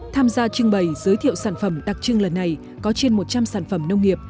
tham gia trưng bày giới thiệu sản phẩm đặc trưng lần này có trên một trăm linh sản phẩm nông nghiệp